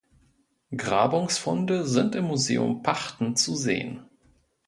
Grabungsfunde sind im Museum Pachten zu sehen.